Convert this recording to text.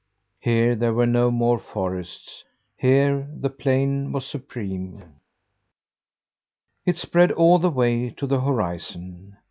Here there were no more forests: here the plain was supreme. It spread all the way to the horizon.